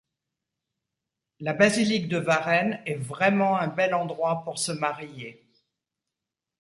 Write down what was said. La Basilique de Varennes est vraiment un bel endroit pour se marier.